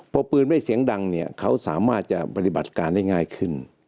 พอปืนไม่เสียงดังเนี่ยเขาสามารถจะปฏิบัติการได้ง่ายขึ้น